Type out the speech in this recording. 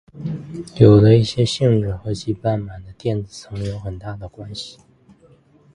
铕的一些性质和其半满的电子层有很大的关系。